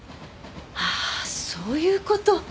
ああそういう事。